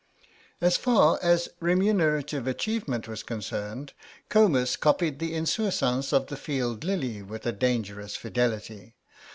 As far as remunerative achievement was concerned, Comus copied the insouciance of the field lily with a dangerous fidelity.